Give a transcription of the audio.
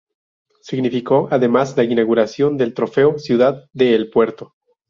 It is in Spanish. Significó, además, la inauguración del Trofeo Ciudad de El Puerto.